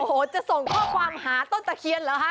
โอ้โหจะส่งข้อความหาต้นตะเคียนเหรอคะ